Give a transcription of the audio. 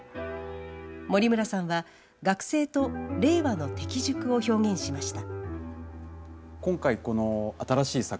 森村さんは学生と令和の適塾を表現しました。